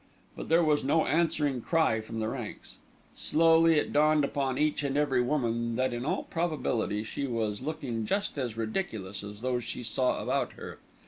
But there was no answering cry from the ranks. Slowly it dawned upon each and every woman that in all probability she was looking just as ridiculous as those she saw about her.